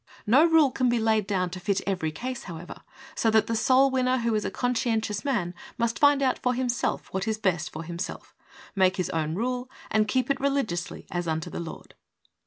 No rule can be laid down to fit every case, however, so that the soul winner who is a conscientious man must find out for himself what is best for himself, make his own rule and keep it religiously as unto the Lord.